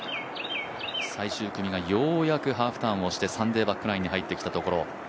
最終組がようやくハーフターンをしてサンデーバックナインに入ってきたところ。